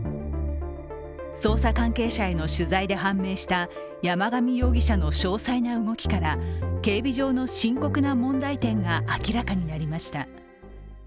捜査関係者への取材で判明した山上容疑者の詳細な動きから、警備上の深刻な問題点が明らかになりました。